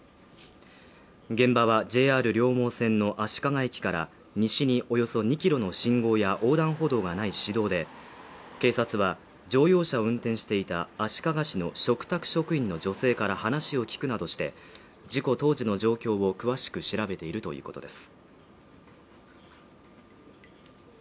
現場はＪＲ両毛線の足利駅から西におよそ２ｋｍの信号や横断歩道がない市道で、警察は乗用車を運転していた足利市の嘱託職員の女性から話を聞くなどして、事故当時の状況を詳しく調べているということです。